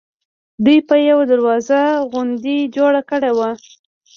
دوی یوه دروازه غوندې جوړه کړې وه.